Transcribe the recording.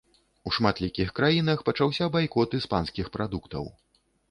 У шматлікіх краінах пачаўся байкот іспанскіх прадуктаў.